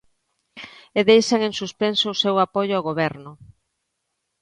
E deixan en suspenso o seu apoio ao Goberno.